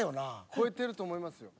超えてると思いますよ。